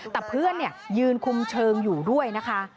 แต่เพื่อนยืนคุมเชิงอยู่ด้วยนะคะ